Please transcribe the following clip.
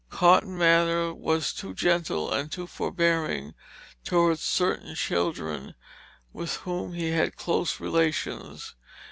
Cotton Mather was too gentle and too forbearing toward certain children with whom he had close relations.